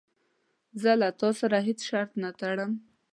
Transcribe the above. زه له تا سره هیڅ شرط نه ټړم.